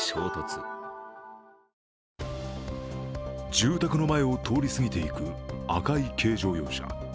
住宅の前を通り過ぎていく赤い軽乗用車。